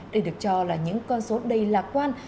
đây được cho là những con số đầy lạc quan